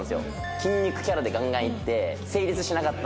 筋肉キャラでガンガンいって。